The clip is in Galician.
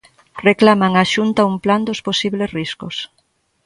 Reclaman á Xunta un plan dos posibles riscos.